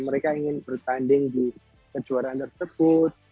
mereka ingin bertanding di kejuaraan tersebut